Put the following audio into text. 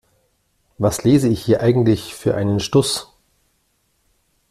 Was lese ich hier eigentlich für einen Stuss?